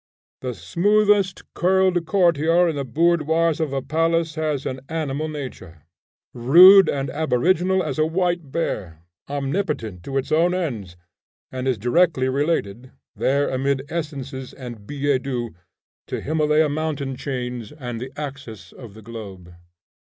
The smoothest curled courtier in the boudoirs of a palace has an animal nature, rude and aboriginal as a white bear, omnipotent to its own ends, and is directly related, there amid essences and billetsdoux, to Himmaleh mountain chains and the axis of the globe.